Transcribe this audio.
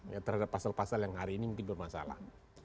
ya terhadap pasal pasal yang hari ini mungkin bermasalah